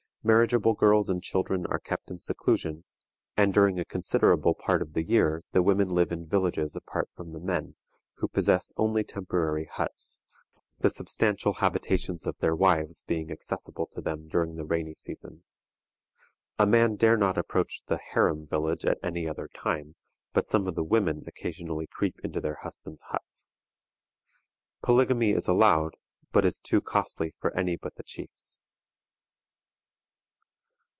Marriageable girls and children are kept in seclusion, and during a considerable part of the year the women live in villages apart from the men, who possess only temporary huts, the substantial habitations of their wives being accessible to them during the rainy season. A man dare not approach the "harem village" at any other time, but some of the women occasionally creep into their husbands' huts. Polygamy is allowed, but is too costly for any but the chiefs.